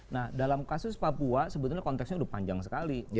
nah dalam kasus papua sebetulnya konteksnya udah panjang sekali